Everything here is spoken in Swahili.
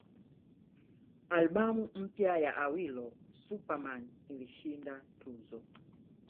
Albamu mpya ya Awilo Super Man ilishinda tuzo